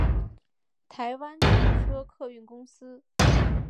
台湾汽车客运公司